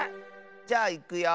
じゃあいくよ。